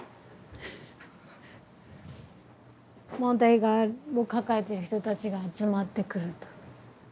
問題を抱えてる人たちが集まってくると。